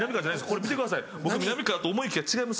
これ見てください。